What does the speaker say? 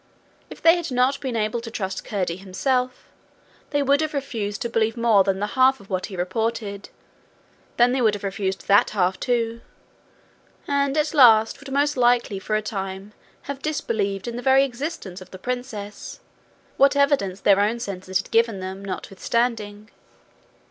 If they had not been able to trust Curdie himself, they would have refused to believe more than the half of what he reported, then they would have refused that half too, and at last would most likely for a time have disbelieved in the very existence of the princess, what evidence their own senses had given them notwithstanding.